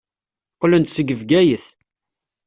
Qqlen-d seg Bgayet.